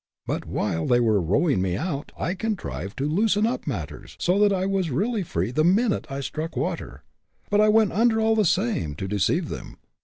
But while they were rowing me out, I contrived to loosen up matters, so that I was really free the minute I struck water. But I went under all the same to deceive them.